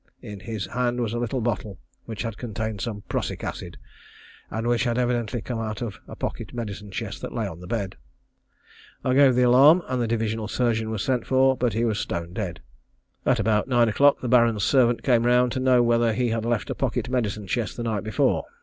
In his hand was a little bottle which had contained prussic acid, and which had evidently come out of a pocket medicine chest that lay on the bed. I gave the alarm, and the divisional surgeon was sent for, but he was stone dead. At about nine o'clock the Baron's servant came round to know whether he had left a pocket medicine chest the night before.